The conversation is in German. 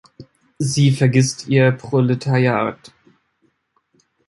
Sie vergißt ihr Proletariat.